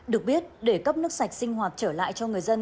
được biết để cấp nước sạch sinh hoạt trở lại cho người dân